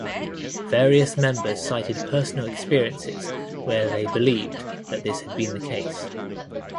Various members cited personal experiences where they believed that this had been the case.